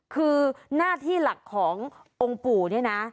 คือหน้าที่หลักขององค์ปู่เนี่ยนะ